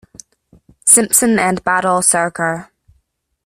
Simpson and Badal Sarkar.